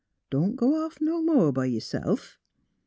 Don't go off no more b' yourself.